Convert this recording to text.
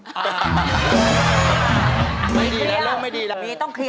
ไม่ดีแล้วไม่ดีแล้วค่ะครับเลยไม่ต้องเคลียร์